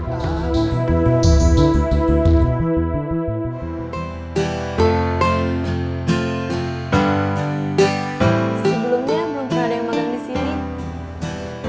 sebelumnya belum pernah ada yang makan disini